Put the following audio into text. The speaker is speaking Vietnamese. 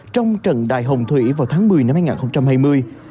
trong trận đại hồng thủy vào tháng một mươi năm hai nghìn hai mươi